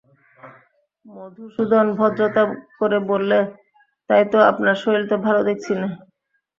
মধুসূদন ভদ্রতা করে বললে, তাই তো, আপনার শরীর তো ভালো দেখছি নে।